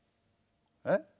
えっ？